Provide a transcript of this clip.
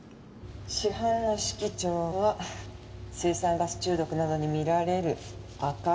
死斑の色調は青酸ガス中毒などに見られる赤い色。